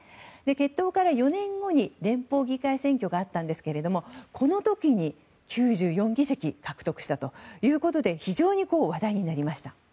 結党から４年後に連邦議会選挙があったんですがこの時に、９４議席を獲得したということで非常に話題になりました。